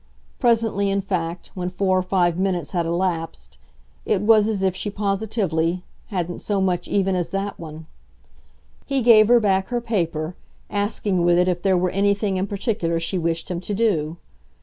Presently in fact, when four or five minutes had elapsed, it was as if she positively, hadn't so much even as that one. He gave her back her paper, asking with it if there were anything in particular she wished him to do.